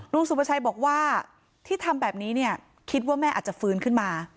สุภาชัยบอกว่าที่ทำแบบนี้เนี่ยคิดว่าแม่อาจจะฟื้นขึ้นมา